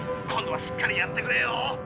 今度はしっかりやってくれよ。